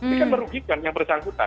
ini kan merugikan yang bersangkutan